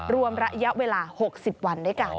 รวมระยะเวลา๖๐วันด้วยกัน